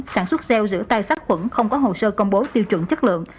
sản xuất gel rửa tay sát khuẩn không có hồ sơ công bố tiêu chuẩn chất lượng